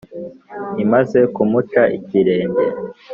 imaze kumuca ikirenge,